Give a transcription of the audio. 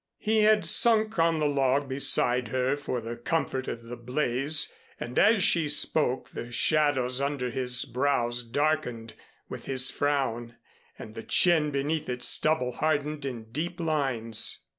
He had sunk on the log beside her for the comfort of the blaze, and as she spoke the shadows under his brows darkened with his frown and the chin beneath its stubble hardened in deep lines.